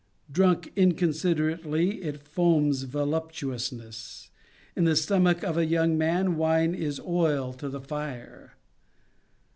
Drunk inconsiderately, it foams voluptuousness. In the stomach of a young man, wine is oil to the fire.